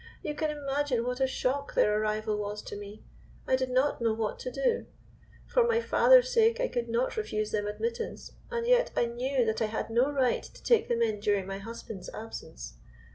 You can imagine what a shock their arrival was to me. I did not know what to do. For my father's sake I could not refuse them admittance, and yet I knew that I had no right to take them in during my husband's absence.